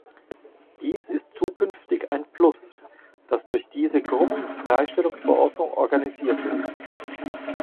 Dies ist zukünftig ein Plus, das durch diese Gruppenfreistellungsverordnung organisiert wird.